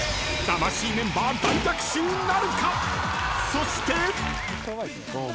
［そして］